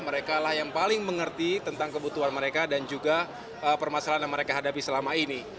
mereka lah yang paling mengerti tentang kebutuhan mereka dan juga permasalahan yang mereka hadapi selama ini